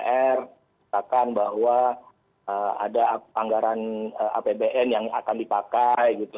dpr katakan bahwa ada anggaran apbn yang akan dipakai gitu